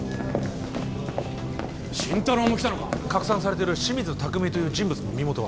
心太朗も来たのか拡散されているシミズタクミという人物の身元は？